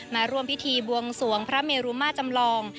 มาร่วมพิธีบวงสวงพระเมรุมาจำลอง